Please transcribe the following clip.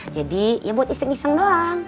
jadi ya buat iseng iseng doang